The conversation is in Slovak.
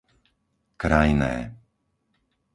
Krajné